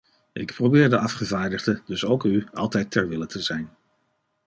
Ik probeer de afgevaardigden, dus ook u, altijd ter wille te zijn.